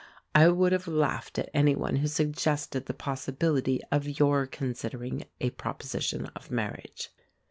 I would have laughed at any one who suggested the possibility of your considering a proposition of marriage.